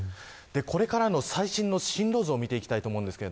これからの最新の進路図を見ていきたいと思います。